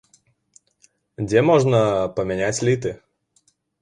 Дзе можна памяняць літы?